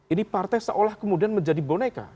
ini partai seolah kemudian menjadi boneka